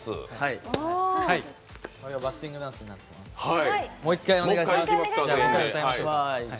これがバッティングダンスとなってます。